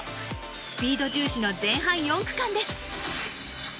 スピード重視の前半４区間です。